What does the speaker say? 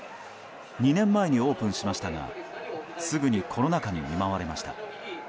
２年前にオープンしましたがすぐにコロナ禍に見舞われました。